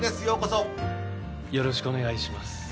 ようこそよろしくお願いします